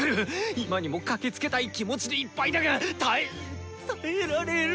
今にも駆けつけたい気持ちでいっぱいだが耐え耐えられる！